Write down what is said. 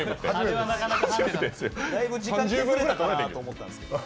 だいぶ時間稼げたなと思ったんですけど。